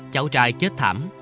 cháu trai chết thảm